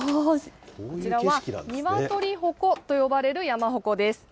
こちらは鶏鉾と呼ばれる山鉾です。